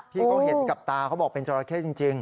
พี่เขาเห็นกับตาเขาบอกเป็นจราเข้จริง